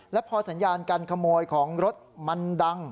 แล้วพอสัญญาการขโมยของรถมันดัง